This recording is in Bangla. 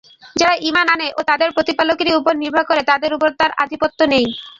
যারা ঈমান আনে ও তাদের প্রতিপালকেরই উপর নির্ভর করে তাদের উপর তার আধিপত্য নেই।